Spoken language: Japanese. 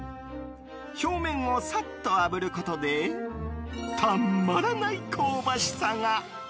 表面をサッと炙ることでたまらない香ばしさが。